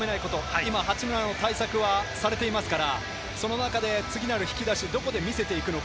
今、八村対策はされていますから、その中で次なる引き出しをどこで見せていくのか。